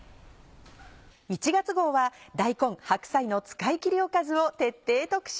１月号は大根・白菜の使い切りおかずを徹底特集。